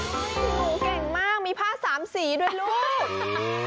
โอ้โหเก่งมากมีผ้าสามสีด้วยลูก